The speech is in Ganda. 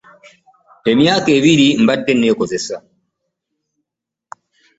Emyaka ebiri mbadde nneekozesa.